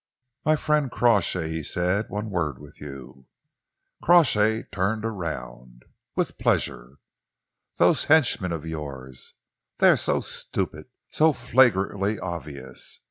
"My friend Crawshay," he said, "one word with you." Crawshay turned around. "With pleasure!" "Those henchmen of yours they are so stupid, so flagrantly obvious.